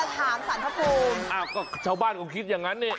คุณจะถามศาลภพภูมิอ้าวก็ชาวบ้านคงคิดอย่างนั้นเนี่ย